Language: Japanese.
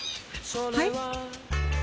はい？